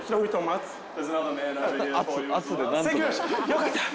よかった。